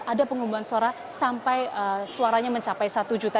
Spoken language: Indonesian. ada pengumuman suara sampai suaranya mencapai satu juta